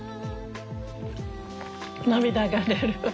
涙が出る。